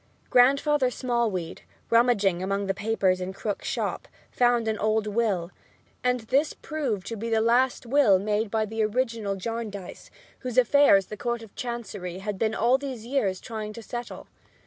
Grandfather Smallweed, rummaging among the papers in Krook's shop, found an old will, and this proved to be a last will made by the original Jarndyce, whose affairs the Court of Chancery had been all these years trying to settle.